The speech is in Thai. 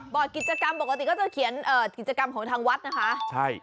กิจกรรมปกติก็จะเขียนกิจกรรมของทางวัดนะคะใช่